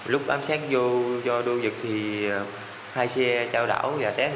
lúc ám sát vô cho đô giật thì hai xe trao đảo và té ngang